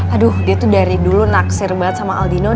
aduh dia tuh dari dulu naksir banget sama aldino